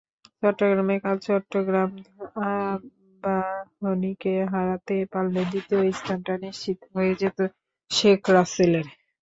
চট্টগ্রামে কাল চট্টগ্রাম আবাহনীকে হারাতে পারলে দ্বিতীয় স্থানটা নিশ্চিত হয়ে যেত শেখ রাসেলের।